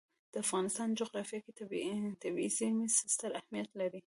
د افغانستان جغرافیه کې طبیعي زیرمې ستر اهمیت لري.